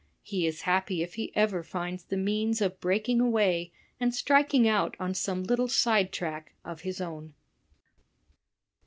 He is happy if he ever finds the means of breaking away and striking out on some little side track of his own."